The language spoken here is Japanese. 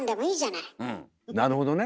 なるほどね。